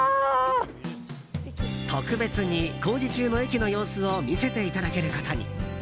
特別に工事中の駅の様子を見せていただけることに。